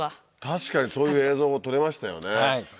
確かにそういう映像も撮れましたよね。